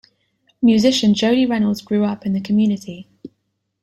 Musician Jody Reynolds grew up in the community.